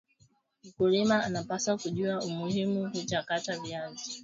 mkulima anapaswa kujua umuhimuwa kuchakata viazi